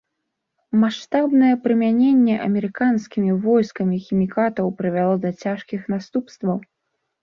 Маштабнае прымяненне амерыканскімі войскамі хімікатаў прывяло да цяжкіх наступстваў.